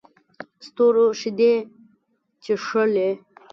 ستورو شیدې چښلې